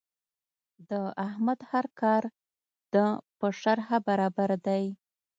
د احمد هر کار د په شرعه برابر دی.